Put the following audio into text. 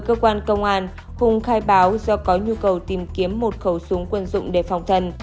cơ quan công an hùng khai báo do có nhu cầu tìm kiếm một khẩu súng quân dụng để phòng thần